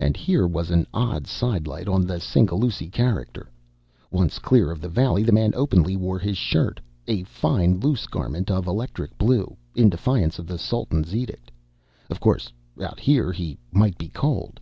And here was an odd sidelight on the Singhalûsi character. Once clear of the valley the man openly wore his shirt, a fine loose garment of electric blue, in defiance of the Sultan's edict. Of course out here he might be cold....